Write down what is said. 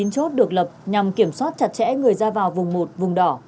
ba mươi chín chốt được lập nhằm kiểm soát chặt chẽ người ra vào vùng một vùng đỏ